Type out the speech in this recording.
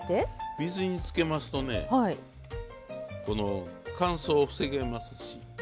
水につけますとね乾燥を防げますし。